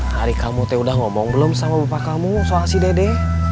dari kamu teh udah ngomong belum sama bapak kamu soal si dede